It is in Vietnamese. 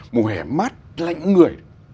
mùa hè mát lạnh người